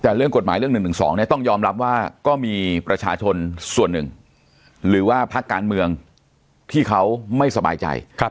แต่เรื่องกฎหมายเรื่อง๑๑๒เนี่ยต้องยอมรับว่าก็มีประชาชนส่วนหนึ่งหรือว่าพักการเมืองที่เขาไม่สบายใจ